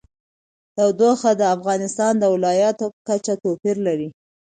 تودوخه د افغانستان د ولایاتو په کچه توپیر لري.